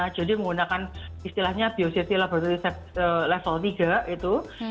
jadi menggunakan istilahnya biosepti laboratorium level tiga itu